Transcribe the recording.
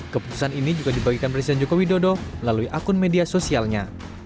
keputusan ini juga dibagikan presiden joko widodo melalui akun media sosialnya